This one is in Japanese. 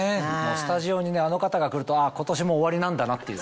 スタジオにあの方が来るとあぁ今年も終わりなんだなって。